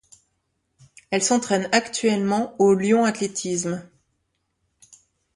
Elle s'entraîne actuellement au Lyon Athlétisme.